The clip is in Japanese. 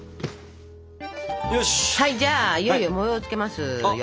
じゃあいよいよ模様をつけますよ！